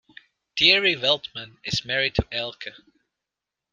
Thierry Veltman is married to Eelke.